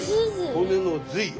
骨の髄よ。